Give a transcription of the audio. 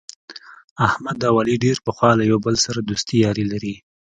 احمد او علي ډېر پخوا یو له بل سره دوستي یاري لري.